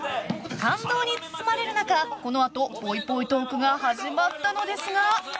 感動に包まれる中このあと、ぽいぽいトークが始まったのですが。